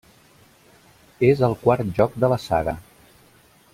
És el quart joc de la saga.